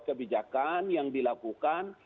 kebijakan yang dilakukan